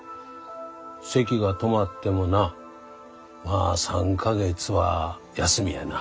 せきが止まってもなまあ３か月は休みやな。